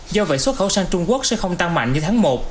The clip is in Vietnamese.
do vậy xuất khẩu sang trung quốc sẽ không tăng mạnh như tháng một